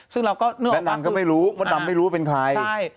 ซึ่งเราก็แนะนำก็ไม่รู้มดดำไม่รู้ว่าเป็นใคร